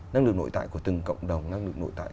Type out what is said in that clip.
năng lực nội tại của từng cộng đồng năng lực nội tại